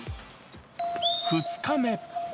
２日目。